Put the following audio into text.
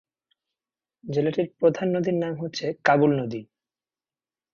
জেলাটির প্রধান নদীর নাম হচ্ছে কাবুল নদী।